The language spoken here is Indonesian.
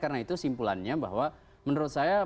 karena itu simpulannya bahwa menurut saya